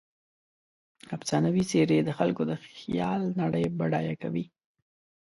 افسانوي څیرې د خلکو د خیال نړۍ بډایه کوي.